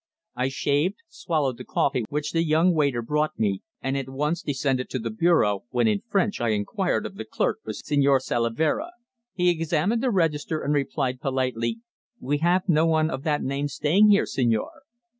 I shaved, swallowed the coffee which the young waiter brought me, and at once descended to the bureau; when in French I inquired of the clerk for Señor Salavera. He examined the register and replied politely: "We have no one of that name staying here, señor."